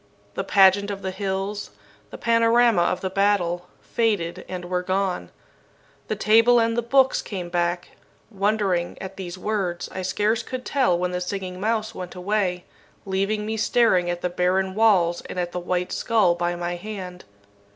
The pageant of the hills, the panorama of the battle, faded and were gone. The table and the books came back. Wondering at these words, I scarce could tell when the Singing Mouse went away, leaving me staring at the barren walls and at the white skull by my hand.